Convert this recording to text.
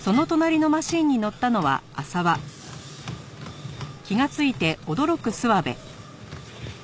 あっ。